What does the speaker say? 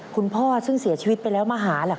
คุณพ่อซึ่งเสียชีวิตไปแล้วมาหาแหละค่ะ